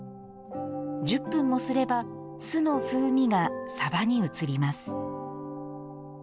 １０分もすれば酢の風味が、さばに移ります。